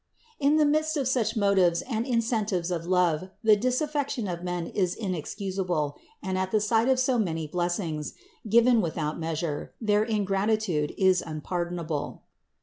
In the midst of such motives and incentives of love the disaf fection of men is inexcusable, and at the sight of so many blessings, given without measure, their ingratitude is unpardonable.